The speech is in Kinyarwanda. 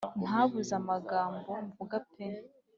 ntabuze amagambo mvuga pe